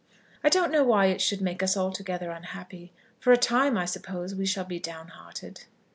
"I don't know why it should make us altogether unhappy. For a time, I suppose, we shall be down hearted."